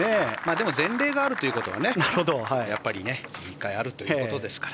でも前例があるということはやっぱり１回あるということですから。